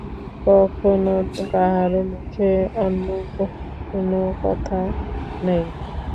তখনও কাহারও মুখে অন্য কোন কথা নাই।